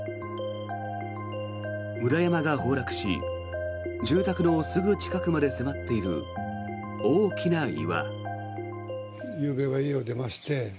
裏山が崩落し住宅のすぐ近くまで迫っている大きな岩。